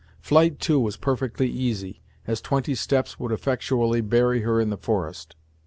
Flight, too, was perfectly easy, as twenty steps would effectually bury her in the forest.